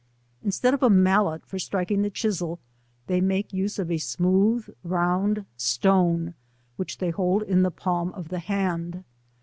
Instead of a mallet for striking this chisel, they saake use of a smooth round stone, which they hold * 85 in the palm of the hand.